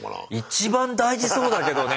一番大事そうだけどね。